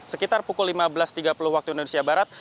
sekitar pukul lima belas tiga puluh waktu indonesia barat